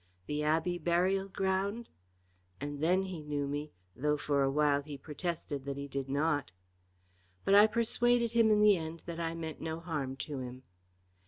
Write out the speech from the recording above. The Abbey burial ground?" and then he knew me, though for awhile he protested that he did not. But I persuaded him in the end that I meant no harm to him.